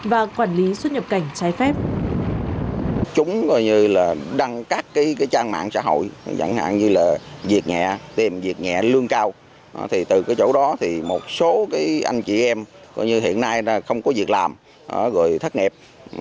và quản lý xuất nhập cảnh trái phép